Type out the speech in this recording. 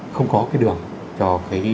không có cái đường cho